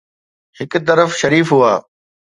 هڪ طرف شريف هئا.